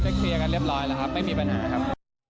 เคลียร์กันเรียบร้อยแล้วครับไม่มีปัญหาครับ